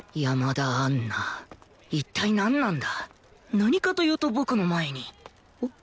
何かというと僕の前に